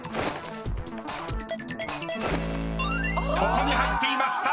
［ここに入っていました］